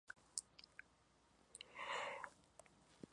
Es una especie recientemente descubierta.